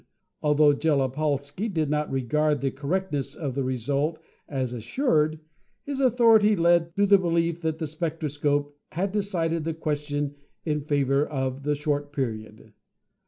Although Bjelopolsky did not regard the correctness of the result as assured, his authority led to the belief that the spectroscope had decided the question in favor of the short period.